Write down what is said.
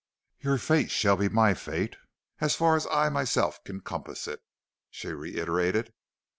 "'Your fate shall be my fate, as far as I myself can compass it,' she reiterated.